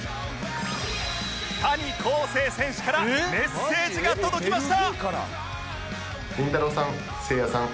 谷晃生選手からメッセージが届きました！